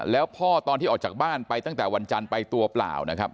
แล้วพ่อตอนที่ออกจากบ้านไปตั้งแต่วันจันทร์ไปตัวเปล่านะครับ